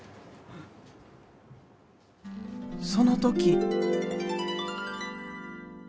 その時。